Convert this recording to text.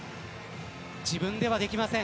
自分ではできません。